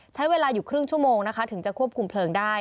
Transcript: ใช้เวลาอยู่ครึ่งชั่วโมงนะคะถึงจะควบคุมเพลิงได้